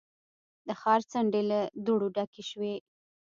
د ښار څنډې له دوړو ډکې شوې.